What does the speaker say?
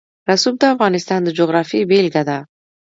رسوب د افغانستان د جغرافیې بېلګه ده.